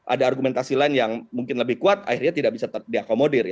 ada argumentasi lain yang mungkin lebih kuat akhirnya tidak bisa diakomodir